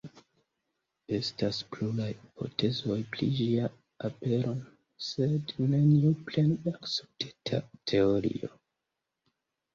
Estas pluraj hipotezoj pri ĝia apero, sed neniu plene akceptita teorio.